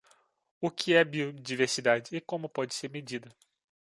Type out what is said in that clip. O que é biodiversidade e como pode ser medida?